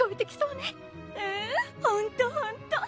うんほんとほんと。